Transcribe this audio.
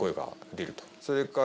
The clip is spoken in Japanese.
それから。